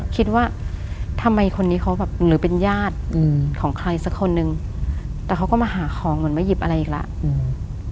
คิดว่าทำไมคนนี้เขาแบบหรือเป็นญาติอืมของใครสักคนนึงแต่เขาก็มาหาของเหมือนมาหยิบอะไรอีกแล้วอืม